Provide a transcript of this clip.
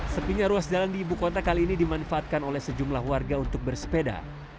sepinya ruas jalan di ibu kota kali ini dimanfaatkan oleh sejumlah warga untuk bersepeda